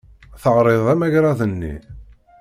Taɣriḍ amagrad-nni?